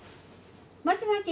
もしもし。